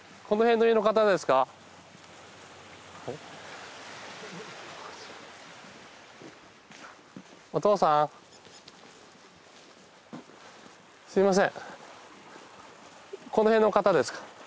このへんの方ですか？